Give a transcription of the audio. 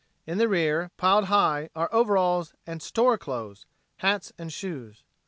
In the rear, piled high, are overalls and "store clothes," hats and shoes.